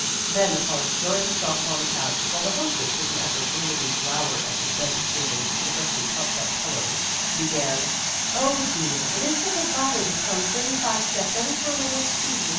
Then the caller, throwing herself upon the couch, while the hostess with an effort inwardly glowered at the dents given to the freshly puffed up pillows, be gan, " Oh, dear ! it is such a bother to come thirty five steps every time I want to see you.